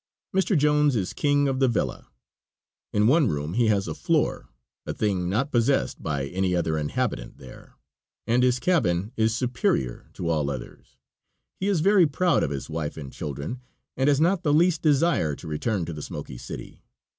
Mr. Jones is king of the villa. In one room he has a floor, a thing not possessed by any other inhabitant there, and his cabin is superior to all others. He is very proud of his wife and children, and has not the least desire to return to the Smoky City.